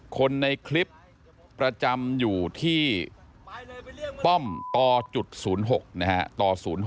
คนในคลิปประจำอยู่ที่ป้อมต๐๖